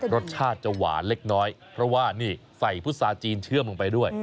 รสชาติจะหวานเล็กน้อยเพราะว่านี่ใส่พุษาจีนเชื่อมลงไปด้วย